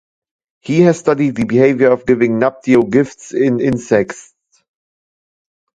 He has studied the behaviour of giving nuptial gifts in insects.